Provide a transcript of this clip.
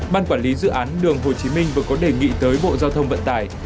ban quản lý dự án đường hồ chí minh vừa có đề nghị tới bộ giao thông vận tải